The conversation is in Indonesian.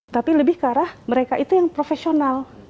tapi lebih karena mereka itu yang profesional